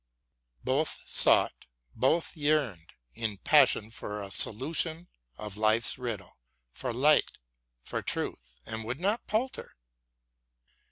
Both sought, both yearned, in passion for a solution of life's riddle, for light, for truth, and would not palter.